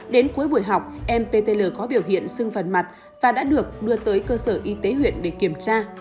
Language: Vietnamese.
đến cuối buổi học em ptl có biểu hiện sưng phần mặt và đã được đưa tới cơ sở y tế huyện để kiểm tra